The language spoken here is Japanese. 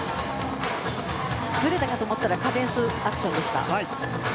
ずれたかと思ったらカデンスアクションでした。